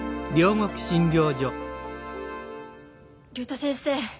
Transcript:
竜太先生